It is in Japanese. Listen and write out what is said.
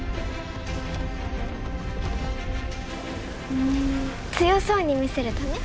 うん強そうに見せるため？